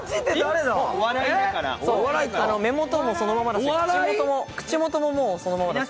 目元もそのままだし、口元もそのままだし。